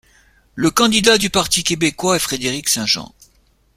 Le candidat du Parti québécois est Frédéric St-Jean.